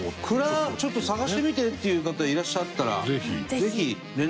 ちょっと探してみてっていう方いらっしゃったらぜひ連絡いただきたいです。